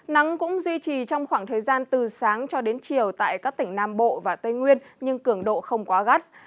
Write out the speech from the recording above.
nắng cũng duy trì trong khoảng thời gian từ sáng cho đến chiều tại các tỉnh nam bộ và tây nguyên nhưng cường độ không quá gắt